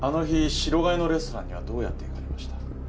白金のレストランにはどうやって行かれました？